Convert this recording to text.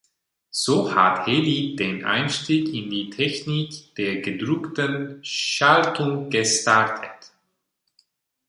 So hat Heli den Einstieg in die Technik der gedruckten Schaltung gestartet.